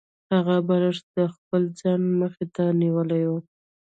هغه بالښت د خپل ځان مخې ته نیولی و